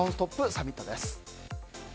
サミットです。